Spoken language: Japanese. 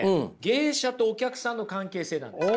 芸者とお客さんの関係性なんです。